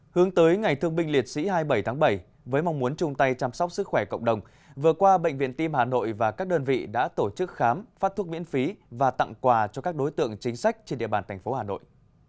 hướng tới ngày thương binh liệt sĩ hai mươi bảy tháng bảy với mong muốn chung tay chăm sóc sức khỏe cộng đồng vừa qua bệnh viện tim hà nội và các đơn vị đã tổ chức khám phát thuốc miễn phí và tặng quà cho các đối tượng chính sách trên địa bàn thành phố hà nội